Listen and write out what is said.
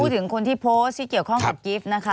ถึงคนที่โพสต์ที่เกี่ยวข้องกับกิฟต์นะคะ